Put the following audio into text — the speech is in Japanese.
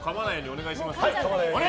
お願いします！